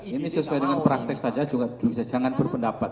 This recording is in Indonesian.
ini sesuai dengan praktek saja juga bisa jangan berpendapat